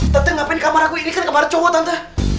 tante ngapain kamar aku ini kan kamar cowo tante